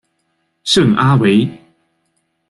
圣阿维。